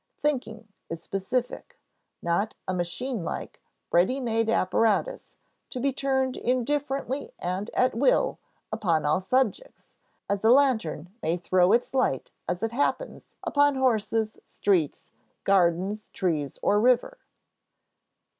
Thinking is specific, not a machine like, ready made apparatus to be turned indifferently and at will upon all subjects, as a lantern may throw its light as it happens upon horses, streets, gardens, trees, or river.